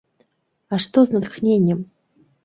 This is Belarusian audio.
А што з натхненнем?